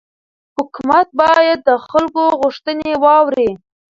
حکومت باید د خلکو غوښتنې واوري